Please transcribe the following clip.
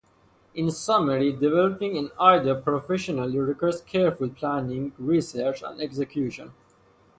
In summary, developing an idea professionally requires careful planning, research, and execution.